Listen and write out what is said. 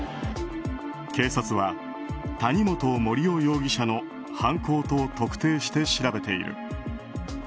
警察は谷本盛雄容疑者の犯行と特定して調べている。